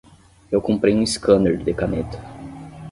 Eu comprei um scanner de caneta.